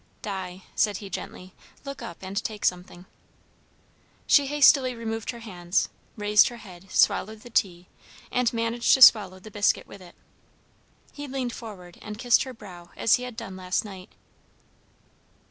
"Di," said he gently, "look up and take something." She hastily removed her hands, raised her head, swallowed the tea, and managed to swallow the biscuit with it. He leaned forward and kissed her brow as he had done last night.